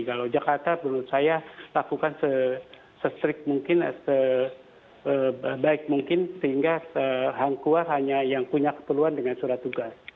kalau jakarta menurut saya lakukan se strik mungkin se baik mungkin sehingga hangkuar hanya yang punya keteluan dengan surat tugas